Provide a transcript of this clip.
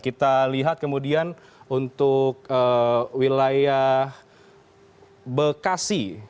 kita lihat kemudian untuk wilayah bekasi